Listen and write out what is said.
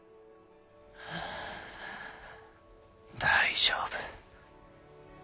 大丈夫。